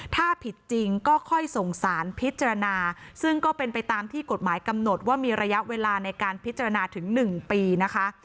ถ้าผิดจริงก็ค่อยส่งสารพิจารณาซึ่งก็เป็นไปตามที่กฎหมายกำหนดว่ามีระยะเวลาในการพิจารณาถึง๑ปีนะคะ